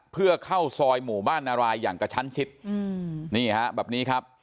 เพื่อเข้าซอยหมู่บ้านนารายอย่างกระชั้นชิดอืมนี่ฮะแบบนี้ครับ